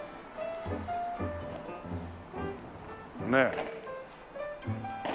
ねえ。